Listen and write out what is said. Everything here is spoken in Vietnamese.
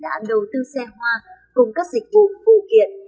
đã đầu tư xe hoa cùng các dịch vụ phụ kiện